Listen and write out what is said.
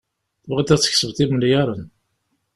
Tebɣiḍ ad tkesbeḍ imelyaṛen.